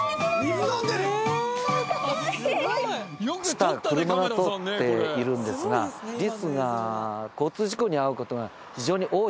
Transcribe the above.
下は車が通っているんですがリスが交通事故に遭う事が非常に多いと。